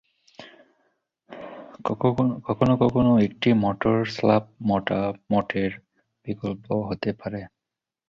কখনও কখনও একটি মাটির স্ল্যাব মোটা মোটের বিকল্প হতে পারে।